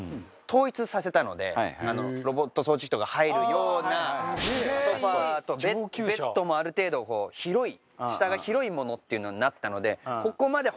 ロボット掃除機とか入るようなソファとベッドもある程度こう広い下が広いものっていうのになったので。